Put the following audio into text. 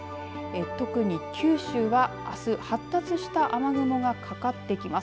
特に九州はあす発達した雨雲がかかってきます。